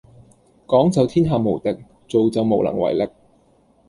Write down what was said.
講就天下無敵，做就無能為力